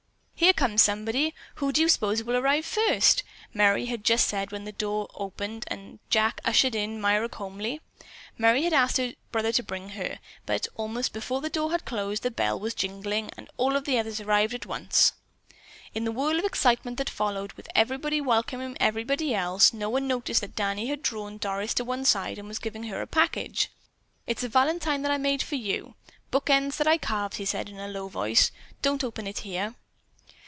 "Here comes somebody. Who do you suppose will arrive first?" Merry had just said when the front door burst open and Jack ushered in Myra Comely. Merry had asked her brother to bring her, but, almost before the door had closed, the bell was jingling, and all of the others arrived at once. In the whirl of excitement that followed, with everybody welcoming everybody else, no one noticed that Danny had drawn Doris to one side and was giving her a package. "It's a valentine that I made for you. Book ends that I carved," he said in a low voice. "Don't open it here."